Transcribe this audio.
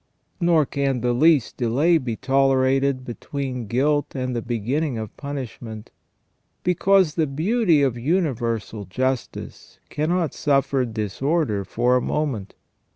Nor can the least delay be tolerated between guilt and the beginning of punishment, because the beauty of universal justice cannot suffer disorder for a moment.